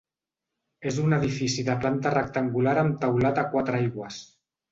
És un edifici de planta rectangular amb teulat a quatre aigües.